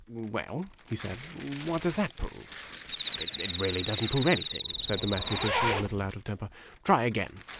" Well," he said, "what does that prove?" " It really does n't prove anything," said the Mathematician, a little out of temper. "Try again."